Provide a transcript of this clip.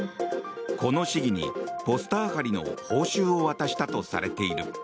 この市議にポスター貼りの報酬を渡したとされている。